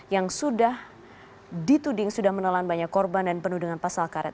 yang sudah dituding sudah menelan banyak korban dan penuh dengan pasal karet